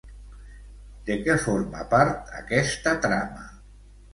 De què forma part aquesta trama?